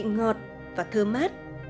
ngọt và thơm mát